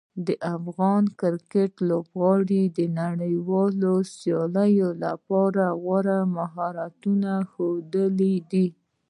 د افغان کرکټ لوبغاړو د نړیوالو سیالیو لپاره غوره مهارتونه ښودلي دي.